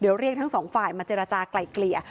เดี๋ยวเรียกทั้งสองฝ่ายมาเจรจากลายเกลี่ย